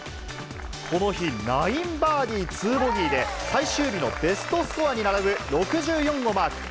この日、９バーディー２ボギーで最終日のベストスコアに並ぶ６４をマーク。